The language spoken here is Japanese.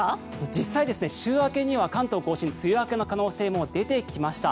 実際、週明けには関東・甲信梅雨明けの可能性も出てきました。